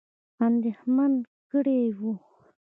اندېښمن کړي وه.